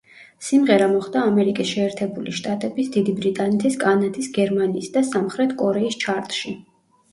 სიმღერა მოხდა ამერიკის შეერთებული შტატების, დიდი ბრიტანეთის, კანადის, გერმანიის და სამხრეთ კორეის ჩარტში.